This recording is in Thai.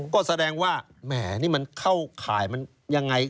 ก็แสดงว่าแหมนี่มันเข้าข่ายมันยังไง